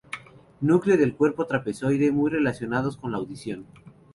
Núcleo del cuerpo trapezoide, muy relacionados con la audición.